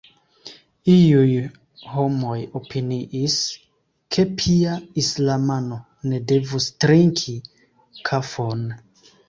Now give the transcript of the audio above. Iuj homoj opiniis, ke pia islamano ne devus trinki kafon.